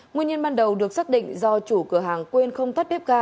nguyên nhân ban đầu được xác định do chủ cửa hàng quên không tắt bếp ga